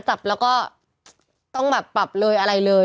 จับแล้วก็ต้องแบบปรับเลยอะไรเลย